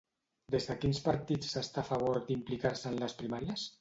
Des de quins partits s'està a favor d'implicar-se en les primàries?